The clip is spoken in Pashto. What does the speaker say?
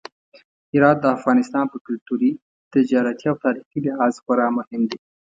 هرات د افغانستان په کلتوري، تجارتي او تاریخي لحاظ خورا مهم دی.